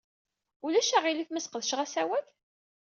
Ulac aɣilif ma sqedceɣ asawal?